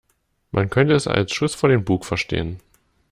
Man könnte es als Schuss vor den Bug verstehen.